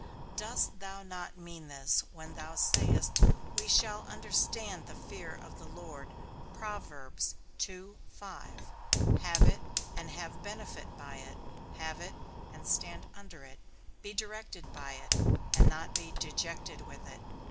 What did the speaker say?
Dost thou not mean this when thou sayest, we shall understand the fear of the Lord? Have it, and have benefit by it; have it, and stand under it; be directed by it, and not be dejected with it.